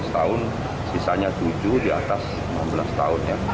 enam belas tahun sisanya tujuh di atas enam belas tahunnya